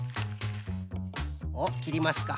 おっきりますか。